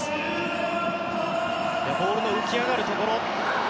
ボールの浮き上がるところ。